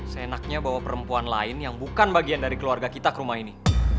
seenaknya bahwa perempuan lain yang bukan bagian dari keluarga kita ke rumah ini